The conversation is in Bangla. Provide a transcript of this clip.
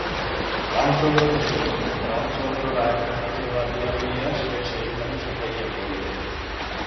রামমোহন কহিল, রামচন্দ্র রায়কে পিঠে বাঁধিয়া লইয়া সে সেইখানে ঝাঁপাইয়া পড়িবে।